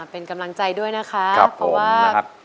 มาเป็นกำลังใจด้วยนะคะเพราะว่าครับผมนะครับ